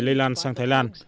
lây lan sang thái lan